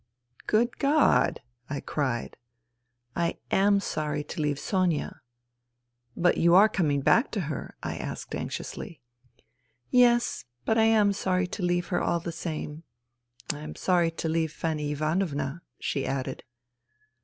" Good God !" I cried. " I am sorry to leave Sonia." " But you are coming back to her ?" I asked anxiously. '' Yes, but I am sorry to leave her, all the same. I am sorry to leave Fanny Ivanovna," she added.